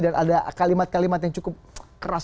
dan ada kalimat kalimat yang cukup keras